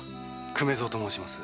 粂蔵と申します。